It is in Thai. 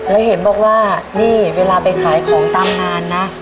แล้วเห็นบอกว่านี่เวลาไปขายของตามงานนะ